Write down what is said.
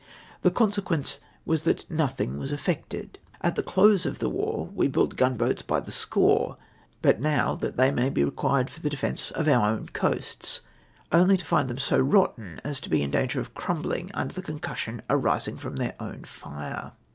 The consequence was that nothing was effected. At the COMPAEISON WITH THE PRESENT DAY. 149 close of the war we built gun boats by the score, but now that tliey may be required for the defence of our 0A\ai coasts, only to find them so rotten, as to be in danger of crumbling under the concussion arising from their own fire.